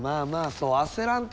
そう焦らんとさ。